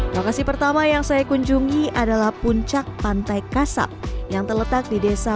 lokasi pertama yang saya kunjungi adalah puncak pantai kasab yang terletak di desa